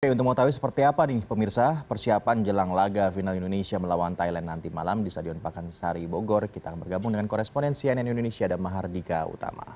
untuk mengetahui seperti apa nih pemirsa persiapan jelang laga final indonesia melawan thailand nanti malam di stadion pakansari bogor kita akan bergabung dengan koresponen cnn indonesia dan mahardika utama